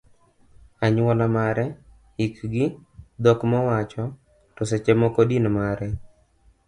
anyuola mare, hikgi, dhok mowacho, to seche moko din mare